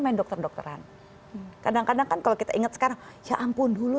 main dokter dokteran kadang kadang kan kalau kita ingat sekarang ya ampun dulu